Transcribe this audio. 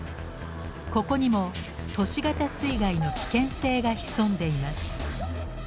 ここにも都市型水害の危険性が潜んでいます。